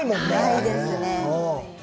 ないですね。